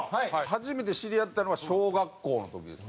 初めて知り合ったのは小学校の時ですね。